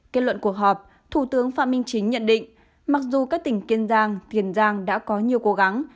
kết luận cuộc họp thủ tướng phạm minh chính nhận định mặc dù các tỉnh kiên giang tiền giang đã có nhiều cố gắng